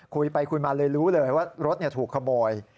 คุยไปคุยมาเลยรู้เลยว่ารถถูกขโมย